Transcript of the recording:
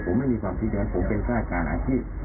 ผมไม่มีความคิดแยกผมเป็นศาลการณ์อาทิตย์